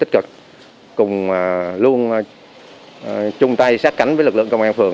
tích cực cùng luôn chung tay sát cánh với lực lượng công an phường